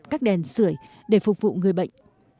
các đèn sửa để phục vụ người bệnh